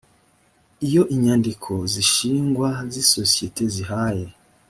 iyo inyandiko z ishingwa z isosiyete zahaye